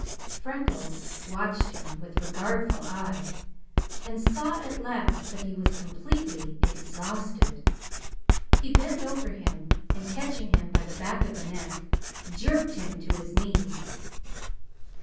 Freckles watched him with regardful eye and saw at last that he was completely exhausted. He bent over him, and catching him by the back of the neck, jerked him to his knees.